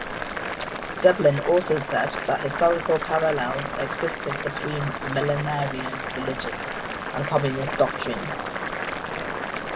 Dublin also said that historical parallels existed between Millenarian religions and Communist doctrines.